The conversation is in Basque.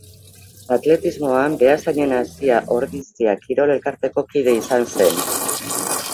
Atletismoan Beasainen hasia, Ordizia Kirol Elkarteko kidea izan zen.